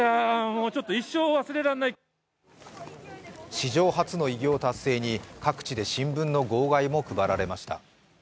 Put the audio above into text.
史上初の偉業達成に各地で新聞の号外も配られました。